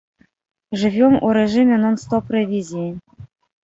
Жывём у рэжыме нон-стоп рэвізіі.